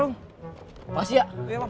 lihat gerobaknya bang deddy kagak ya